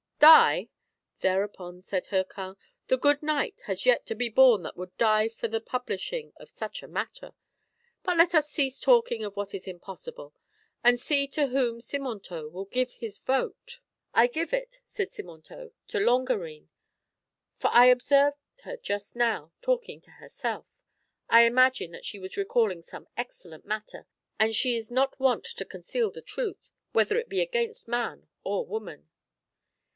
" Die !" thereupon said Hircan ;" the good knight has yet to be born that would die for the publishing of such a matter. But let us cease talking of what is impossible, and see to whom Simontault will give his vote." " I give it," said Simontault, " to Longarine, for I observed her just now talking to herself. I imagine that she was recalling some excellent matter, and she is not wont to conceal the truth, whether it be against man or woman."